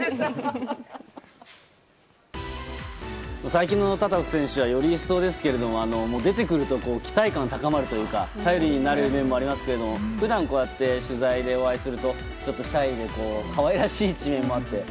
最近のタタフ選手はより一層ですが出てくると期待感が高まるというか頼りになる面がありますが普段こうやって取材でお会いするとちょっとシャイで可愛らしい一面もあって。